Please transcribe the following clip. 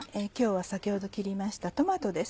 先ほど切りましたトマトです。